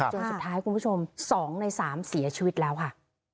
จนสุดท้ายคุณผู้ชม๒ใน๓เสียชีวิตแล้วค่ะ